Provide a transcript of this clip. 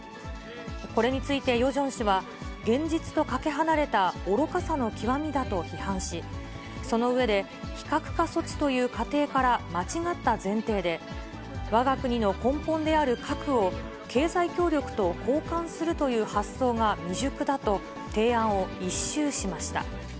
これについてヨジョン氏は、現実とかけ離れた愚かさの極みだと批判し、その上で、非核化措置という仮定から間違った前提で、わが国の根本である核を、経済協力と交換するという発想が未熟だと、提案を一蹴しました。